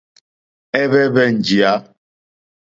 Ɛ́hwɛ́ǃhwɛ́ njìyá.